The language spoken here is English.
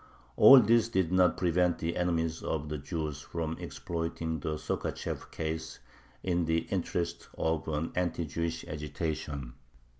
All this did not prevent the enemies of the Jews from exploiting the Sokhachev case in the interest of an anti Jewish agitation.